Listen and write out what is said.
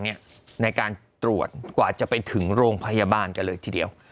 ในการตรวจกว่าจะไปถึงโรงพยาบาลกันเลยทีเดียว